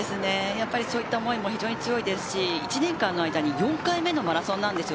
そういう思いは非常に強いですし１年間の間に４回目のマラソンです。